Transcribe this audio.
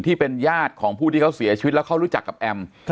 ที่เป็นญาติของผู้ที่เขาเสียชีวิตแล้วเขารู้จักกับแอม